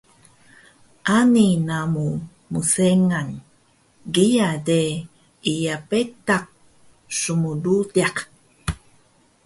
Ani namu mseang. Kiya de iya betaq smrutiq